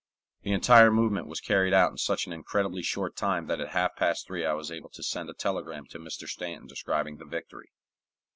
The entire movement was carried out in such an incredibly short time that at half past three I was able to send a telegram to Mr. Stanton describing the victory.